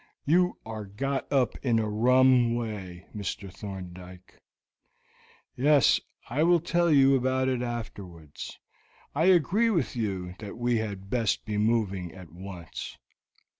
You are got up in a rum way, Mr. Thorndyke." "Yes; I will tell you about it afterwards. I agree with you that we had best be moving at once."